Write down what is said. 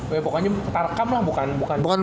pokoknya tarkam lah bukan